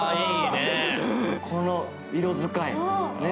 この色使い、ね。